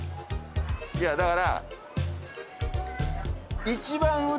いやだから。